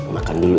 makan dulu ya